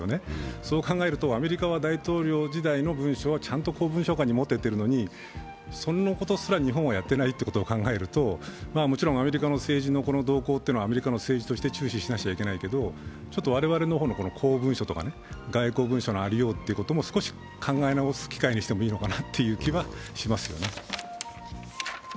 そう考えるとアメリカは大統領時代の文書をちゃんと公文書館に持っていってるのにそのことすら日本はやっていないということを考えるともちろんアメリカの政治の動向はアメリカの政治として注視しなくちゃいけないけど我々の方の公文書とか外交文書のありようというものを少し考え直す機会にしてもいいのかなという気はしますよね。